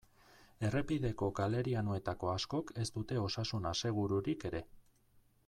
Errepideko galerianoetako askok ez dute osasun asegururik ere.